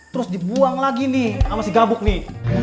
terus dibuang lagi nih sama si gabuk nih